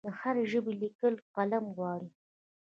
د هرې ژبې لیکل قلم غواړي.